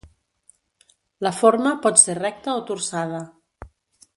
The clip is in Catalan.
La forma pot ser recta o torçada.